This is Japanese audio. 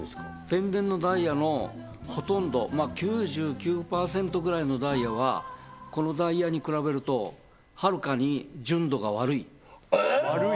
天然のダイヤのほとんど９９％ぐらいのダイヤはこのダイヤに比べるとはるかに純度が悪いえ！？